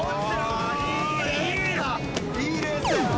いいレースや。